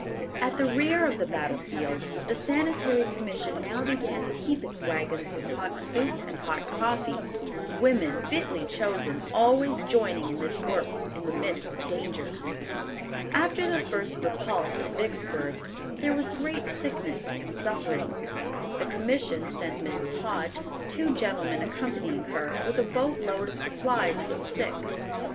At the rear of the battle fields the Sanitary Commission now began to keep its wagons with hot soup and hot coffee, women, fitly chosen, always joining in this work, in the midst of danger. After the first repulse at Vicksburg, there was great sickness and suffering. The Commission sent Mrs. Hoge, two gentlemen accompanying her, with a boat load of supplies for the sick.